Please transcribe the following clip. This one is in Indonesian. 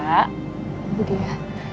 kak ibu dia